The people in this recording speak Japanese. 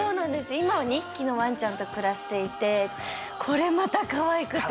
今は２匹のわんちゃんと暮らしていてこれまたかわいくて。